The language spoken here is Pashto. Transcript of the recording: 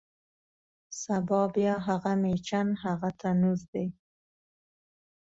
سبا بیا هغه میچن، هغه تنور دی